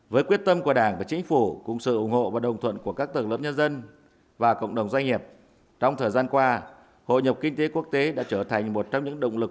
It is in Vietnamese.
với quyết tâm của đảng và chính phủ cùng sự ủng hộ và đồng thuận của các tầng lớp nhân dân và cộng đồng doanh nghiệp trong thời gian qua hội nhập kinh tế quốc tế đã trở thành một trong những động lực